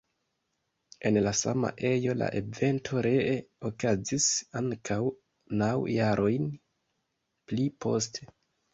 En la sama ejo la evento ree okazis ankaŭ naŭ jarojn pli poste.